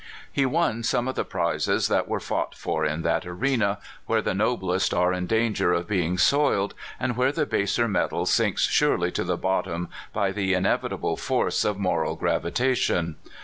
He won some of the prizes that were fought for in that arena where the no blest are in danger of being soiled, and where the baser metal sinks surely to the bottom by the inev itable force of moral gravitation.